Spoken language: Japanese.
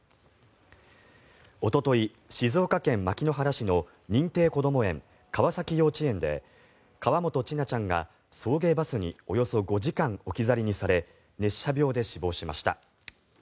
おととい、静岡県牧之原市の認定こども園、川崎幼稚園で河本千奈ちゃんが送迎バスにおよそ５時間置き去りにされ熱射病で死亡しました。